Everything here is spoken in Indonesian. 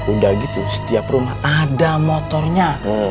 udah gitu setiap rumah ada motornya